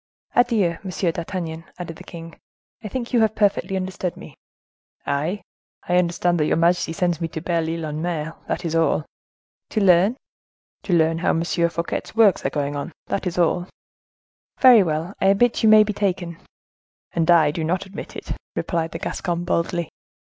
"Adieu! Monsieur d'Artagnan," added the king; "I think you have perfectly understood me." "I? I understand that your majesty sends me to Belle Ile en Mer, that is all." "To learn?" "To learn how M. Fouquet's works are going on; that is all." "Very well: I admit you may be taken." "And I do not admit it," replied the Gascon, boldly.